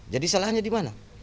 jadi salahnya di mana